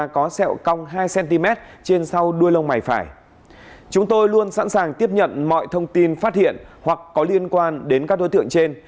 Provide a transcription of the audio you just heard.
chúng tôi luôn sẵn sàng tiếp nhận mọi thông tin phát hiện hoặc có liên quan đến các đối tượng trên